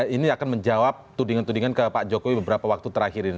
ini akan menjawab tudingan tudingan ke pak jokowi beberapa waktu terakhir ini